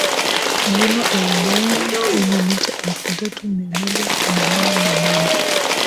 Mlima Oldeani wenye mita elfu tatu mia moja themanini na nane